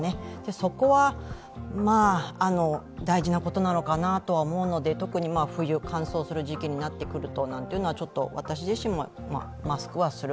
そこは大事なことなのかなとは思うので、特に冬、乾燥する時期になってくるとと、私自身もマスクはする。